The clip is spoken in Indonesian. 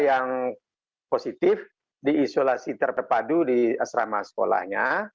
yang positif diisolasi terperpadu di asrama sekolahnya